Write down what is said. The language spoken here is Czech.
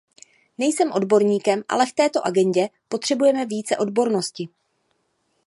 Nejsem odborníkem, ale v této agendě potřebujeme více odbornosti.